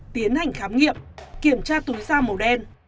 tiến hành khám nghiệm kiểm tra túi da màu đen